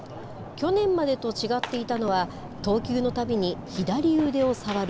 去年までと違っていたのは、投球のたびに左腕を触る